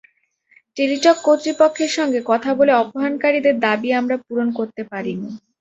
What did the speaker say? Teletalk কর্তৃপক্ষের সঙ্গে কথা বলে অপহরণকারীদের দাবি আমরা পূরণ করতে পারিনি।